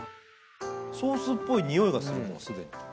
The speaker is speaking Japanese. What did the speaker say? ソースっぽい匂いがするもうすでに。